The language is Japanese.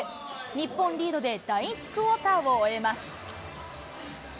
日本リードで第１クオーターを終えます。